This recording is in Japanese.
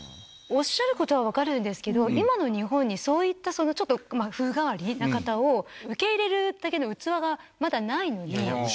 おっしゃることは分かるんですけれども、今の日本にそういったちょっと風変わりな方を受け入れるだけの器がまだないのに。